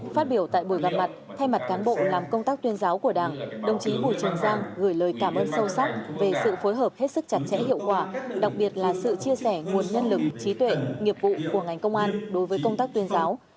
phát biểu tại buổi gặp mặt thay mặt cán bộ làm công tác tuyên giáo của đảng đồng chí bùi trường giang gửi lời cảm ơn sâu sắc về sự phối hợp hết sức chặt chẽ hiệu quả đặc biệt là sự chia sẻ nguồn nhân lực trí tuệ nghiệp vụ của ngành công an đối với công tác tuyên giáo